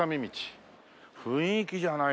雰囲気いいじゃない。